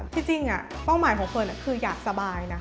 จริงเป้าหมายของเฟิร์นคืออยากสบายนะ